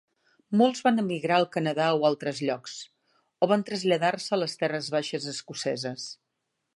Molts van emigrar al Canadà o altres llocs, o van traslladar-se a les terres baixes escoceses.